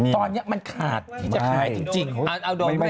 ตอนนี้มันขาดที่จะขายจริง